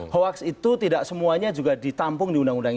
hoax itu tidak semuanya juga ditampung di undang undang